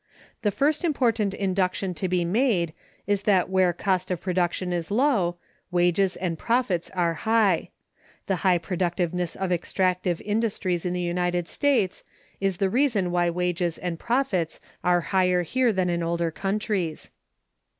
The first important induction to be made is that where cost of production is low, wages and profits are high. The high productiveness of extractive industries in the United States is the reason why wages and profits are higher here than in older countries.